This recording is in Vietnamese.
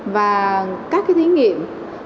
và các cái thí nghiệm